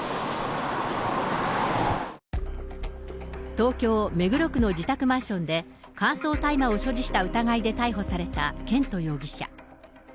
東京・目黒区の自宅マンションで、乾燥大麻を所持した疑いで逮捕された絢斗容疑者。